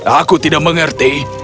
aku tidak mengerti